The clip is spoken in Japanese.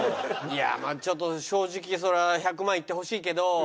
いやあまあちょっと正直それは１００万いってほしいけど。